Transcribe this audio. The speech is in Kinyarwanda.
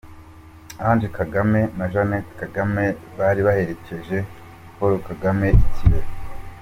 Ange Kagame na Jeannette Kagame bari baherekeje Paul Kagame i Kirehe.